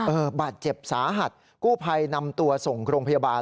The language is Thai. บาดเจ็บสาหัสกู้ภัยนำตัวส่งโรงพยาบาล